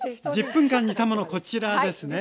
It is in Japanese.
１０分間煮たものこちらですね。